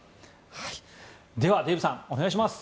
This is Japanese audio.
ではデーブさんお願いします。